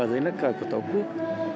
dưới lớp cờ của tổ quốc